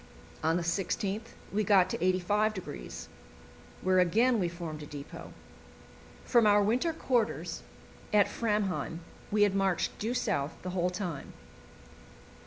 On the 16th we got to 85°, where again we formed a depot. From our winter quarters at Framheim we had marched due south the whole time.